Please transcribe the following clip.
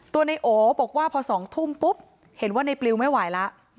ในโอบอกว่าพอ๒ทุ่มปุ๊บเห็นว่าในปลิวไม่ไหวแล้ว